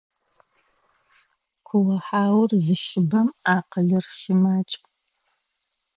Куо-хьаур зыщыбэм акъылыр щымакӏ.